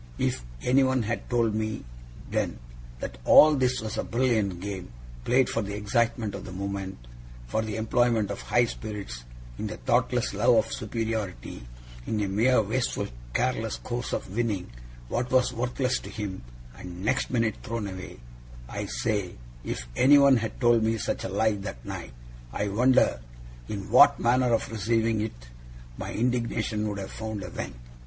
If anyone had told me, then, that all this was a brilliant game, played for the excitement of the moment, for the employment of high spirits, in the thoughtless love of superiority, in a mere wasteful careless course of winning what was worthless to him, and next minute thrown away I say, if anyone had told me such a lie that night, I wonder in what manner of receiving it my indignation would have found a vent!